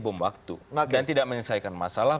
bom waktu dan tidak menyelesaikan masalah